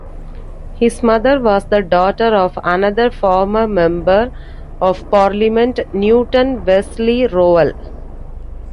His mother was the daughter of another former Member of Parliament, Newton Wesley Rowell.